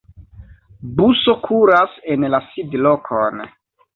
Buso kuras en la sidlokon.